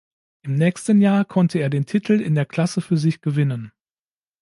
Im nächsten Jahr konnte er den Titel in der Klasse für sich gewinnen.